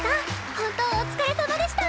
本当お疲れさまでした！